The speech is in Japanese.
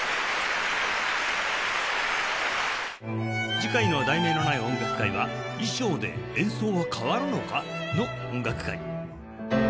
次回の『題名のない音楽会』は「衣装で演奏は変わるのか？の音楽会」